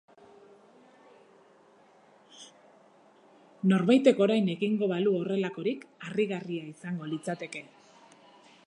Norbaitek orain egingo balu horrelakorik harrigarria izango litzateke.